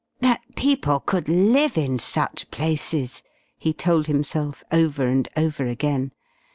"That people could live in such places!" he told himself, over and over again.